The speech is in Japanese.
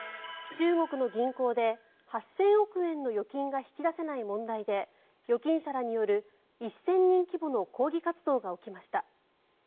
中国の銀行で８０００億円の預金が引き出せない問題で預金者らによる１０００人規模の抗議活動が起きました。